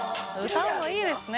歌うのいいですね。